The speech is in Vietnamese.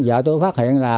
vợ tôi phát hiện là